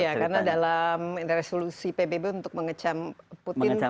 iya karena dalam resolusi pbb untuk mengecam putin